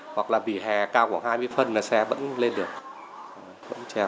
hoặc là vì hè cao khoảng hai mươi phân là xe vẫn lên được vẫn trèo